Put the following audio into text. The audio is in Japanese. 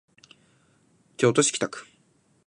京都市北区